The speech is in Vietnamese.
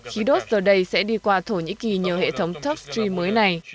khí đốt giờ đây sẽ đi qua thổ nhĩ kỳ nhờ hệ thống toky mới này